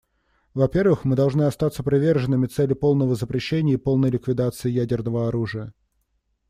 Во-первых, мы должны оставаться приверженными цели полного запрещения и полной ликвидации ядерного оружия.